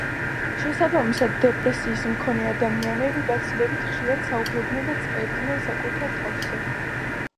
შესაბამისად, დეპრესიის მქონე ადამიანები გაცილებით ხშირად საუბრობდნენ და წერდნენ საკუთარ თავზე.